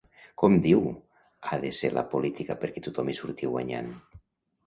Com diu ha de ser la política perquè tothom hi surti guanyant?